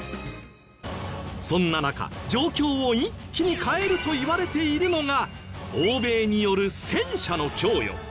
そんな中状況を一気に変えるといわれているのが欧米による戦車の供与。